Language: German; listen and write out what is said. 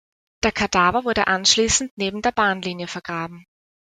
Der Kadaver wurde anschließend neben der Bahnlinie vergraben.